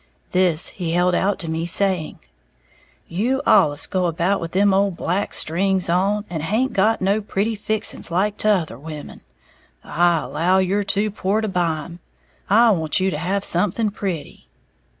This he held out to me, saying, "You allus go about with them old black strings on, and haint got no pretty fixings like t'other women, I allow you're too poor to buy 'em. I want you to have something pretty."